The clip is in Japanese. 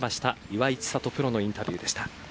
岩井千怜プロのインタビューでした。